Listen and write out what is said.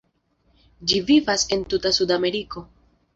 Ĝi vivas en tuta Sudameriko.